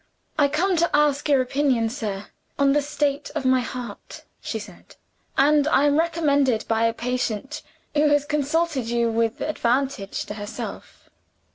"I come to ask your opinion, sir, on the state of my heart," she said; "and I am recommended by a patient, who has consulted you with advantage to herself."